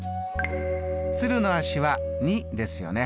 鶴の足は２ですよね。